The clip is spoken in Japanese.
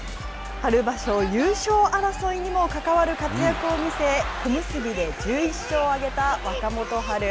春場所優勝争いにも関わる活躍を見せ小結で１１勝を挙げた若元春。